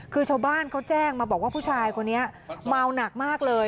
คือชาวบ้านเขาแจ้งมาบอกว่าผู้ชายคนนี้เมาหนักมากเลย